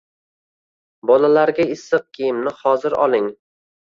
Bolalarga issiq kiyimni hozir oling